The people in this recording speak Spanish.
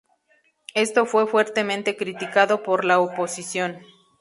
Esto fue fuertemente criticado por la oposición.